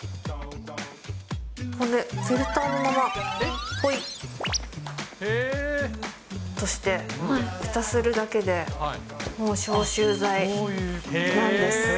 これ、フィルターのままぽいっとして、ふたするだけでもう消臭剤なんです。